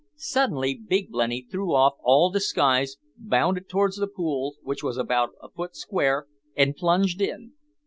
Suddenly Big Blenny threw off all disguise, bounded towards the pool, which was about a foot square, and plunged in.